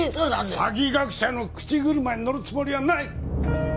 詐欺学者の口車に乗るつもりはない！